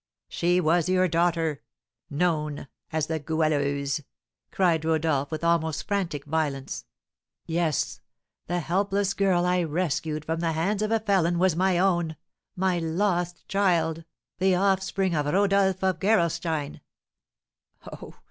"She was your daughter known as the Goualeuse!" cried Rodolph, with almost frantic violence. "Yes, the helpless girl I rescued from the hands of a felon was my own, my lost child! the offspring of Rodolph of Gerolstein!